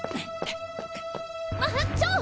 あちょっ。